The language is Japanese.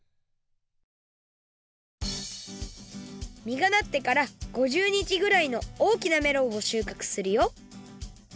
みがなってから５０にちぐらいのおおきなメロンを収穫するよ